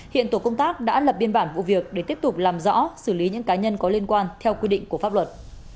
hiện tổ công tác đã lập biên bản vụ việc để tiếp tục làm rõ xử lý những cá nhân có liên quan theo quy định của pháp luật